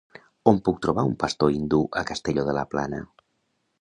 On puc trobar un pastor hindú a Castelló de la Plana?